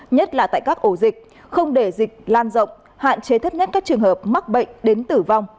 nhất là tại các ổ dịch không để dịch lan rộng hạn chế thấp nhất các trường hợp mắc bệnh đến tử vong